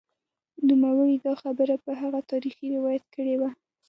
نوموړي دا خبره پر هغه تاریخي روایت کړې وه